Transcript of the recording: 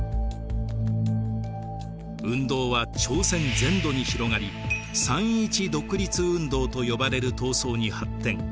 運動は朝鮮全土に広がり三・一独立運動と呼ばれる闘争に発展。